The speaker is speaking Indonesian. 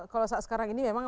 kalau saat sekarang ini memang